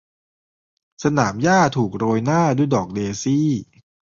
สนามหญ้าถูกโรยหน้าด้วยดอกเดซี่